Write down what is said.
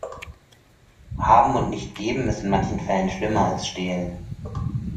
Haben und nicht geben ist in manchen Fällen schlimmer als stehlen.